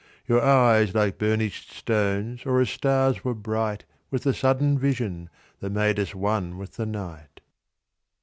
Your eyes like burnished stones or as stars were bright With the sudden vision that made us one with the night.